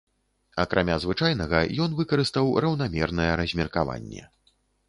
Акрамя звычайнага, ён выкарыстаў раўнамернае размеркаванне.